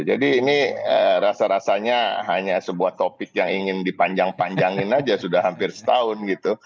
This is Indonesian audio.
jadi ini rasa rasanya hanya sebuah topik yang ingin dipanjang panjangin aja sudah hampir setahun gitu